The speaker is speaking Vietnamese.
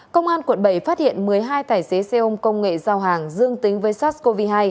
công an quận bảy phát hiện một mươi hai tài xế xe ôm công nghệ giao hàng dương tính với sars cov hai